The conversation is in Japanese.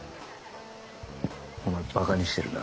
お前馬鹿にしてるな。